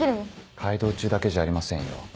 海堂中だけじゃありませんよ。